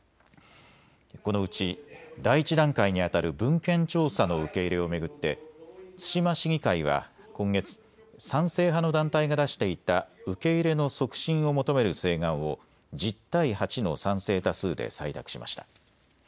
このうち第１段階にあたる文献調査の受け入れを巡って対馬市議会は今月、賛成派の団体が出していた受け入れの促進を求める請願を１０対８の賛成多数で採択しました。